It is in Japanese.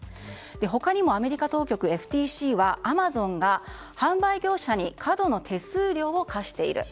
他にもアメリカ当局、ＦＴＣはアマゾンが販売業者に過度の手数料を課している。